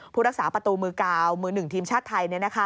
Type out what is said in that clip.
ผู้รักษาประตูมือกาวมือหนึ่งทีมชาติไทย